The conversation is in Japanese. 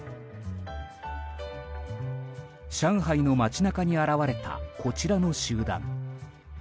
上海の街中に現れたこちらの集団。